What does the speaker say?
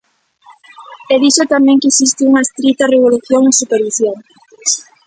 E dixo tamén que existe unha estrita regulación e supervisión.